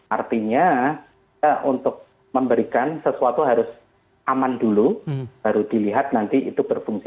artinya untuk memberikan sesuatu harus aman dulu baru dilihat nanti itu berfungsi